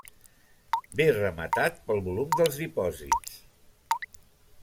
Ve rematat pel volum dels dipòsits.